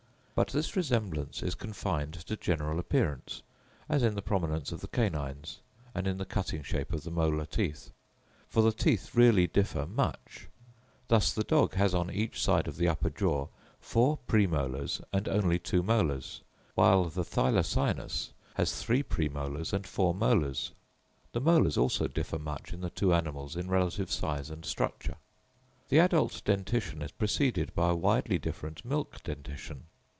But this resemblance is confined to general appearance, as in the prominence of the canines, and in the cutting shape of the molar teeth. For the teeth really differ much: thus the dog has on each side of the upper jaw four pre molars and only two molars; while the Thylacinus has three pre molars and four molars. The molars also differ much in the two animals in relative size and structure. The adult dentition is preceded by a widely different milk dentition.